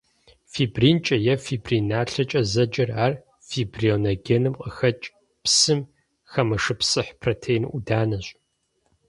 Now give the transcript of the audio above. Фибринкӏэ е фибрин налъэкӏэ зэджэр — ар фибриногеным къыхэкӏ, псым хэмышыпсыхь протеин ӏуданэщ.